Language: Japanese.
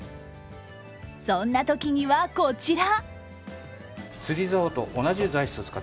そんなときには、こちら。